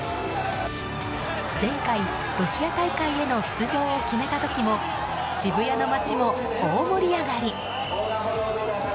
前回、ロシア大会への出場を決めた時も渋谷の街も大盛り上がり。